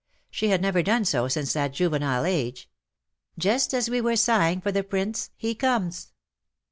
She had never done so since that juvenile age. '' Just as we were sighing for the prince he comes.''